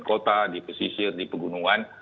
kota di pesisir di pegunungan